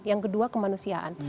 yang kedua kemanusiaan